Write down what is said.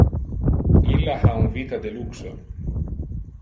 Illa ha un vita de luxo.